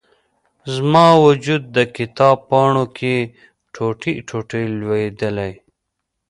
زما و جود، د کتاب پاڼو کې، ټوټي، ټوټي لویدلي